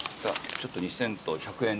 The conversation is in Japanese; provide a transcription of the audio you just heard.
ちょっと２，０００と１００円